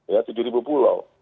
ya tujuh pulau